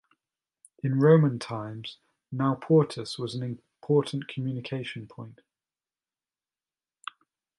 In Roman times, Nauportus was an important communication point.